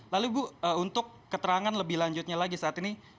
lalu ibu untuk keterangan lebih lanjutnya lagi saat ini